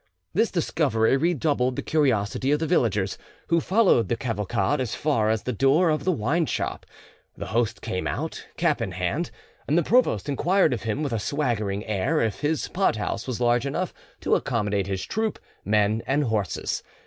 This discovery redoubled the curiosity of the villagers, who followed the cavalcade as far as the door of the wine shop. The host came out, cap in hand, and the provost enquired of him with a swaggering air if his pothouse was large enough to accommodate his troop, men and horses.